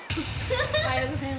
おはようございます。